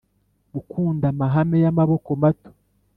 gukunda mahame y'amaboko mato.